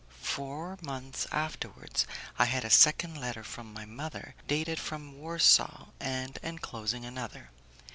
Four months afterwards I had a second letter from my mother, dated from Warsaw, and enclosing another.